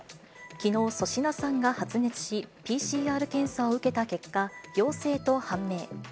きのう、粗品さんが発熱し、ＰＣＲ検査を受けた結果、陽性と判明。